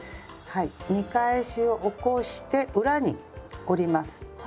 見返しを起こして裏に折ります。